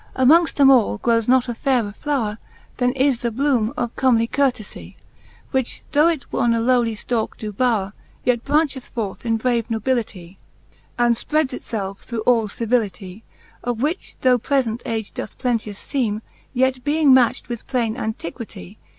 IV. H Amongft them all growes not a fayrer flowre, Then is the blooline of comely courtelie, Which though it on a lowly ftalke doe bowre, Yet brancheth forth in brave nobilitle, And fpreds itfelfe through all civilitie: Of which though prefent age doe plenteous feeme, Yet being matcht with plaine Antiquitie